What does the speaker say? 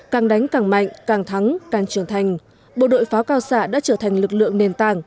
càng đánh càng mạnh càng thắng càng trưởng thành bộ đội pháo cao xạ đã trở thành lực lượng nền tảng